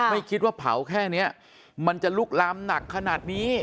ไม่คิดว่าเผาแค่นี้มันจะลุกลามหนักขนาดนี้